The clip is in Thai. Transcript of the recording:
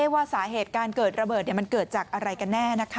ว่าสาเหตุการเกิดระเบิดมันเกิดจากอะไรกันแน่